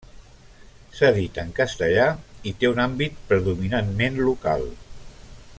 S'edita en castellà i té un àmbit predominantment local.